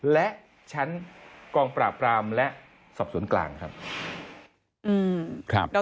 และชั้นกองปราบรามและสอบสวนกลางครับ